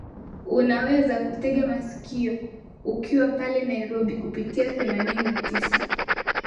unaweza kututegea sikio ukiwa pale nairobi kupitia themanini na tisa